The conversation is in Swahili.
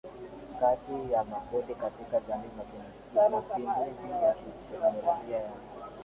kati ya makundi katika jamii Mapinduzi ya kiteknolojia ya